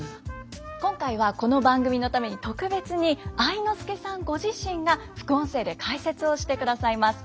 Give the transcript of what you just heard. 今回はこの番組のために特別に愛之助さんご自身が副音声で解説をしてくださいます。